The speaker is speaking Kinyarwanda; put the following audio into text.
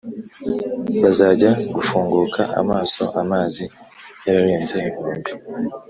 bazajya gufunguka amaso amazi yararenze inkombe.